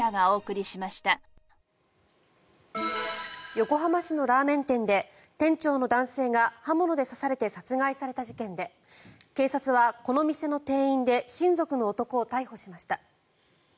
横浜市のラーメン店で店長の男性が刃物で刺されて殺害された事件で警察は、この店の店員で親族の男を逮捕しました。